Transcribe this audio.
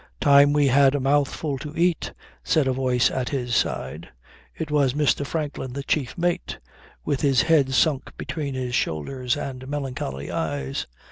"Time we had a mouthful to eat," said a voice at his side. It was Mr. Franklin, the chief mate, with his head sunk between his shoulders, and melancholy eyes.